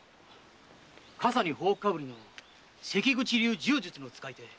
笠に頬被りの関口流柔術の使い手。